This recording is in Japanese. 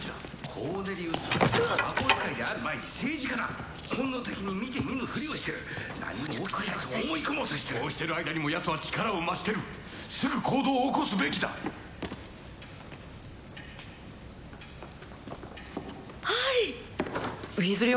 コーネリウス・ファッジは魔法使いである前に政治家だ本能的に見て見ぬふりをしてるもうちょっと声を抑えてこうしてる間にもやつは力を増してるすぐ行動を起こすべきだハリーウィーズリー